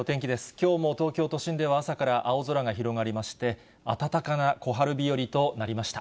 きょうも東京都心では朝から青空が広がりまして、暖かな小春日和となりました。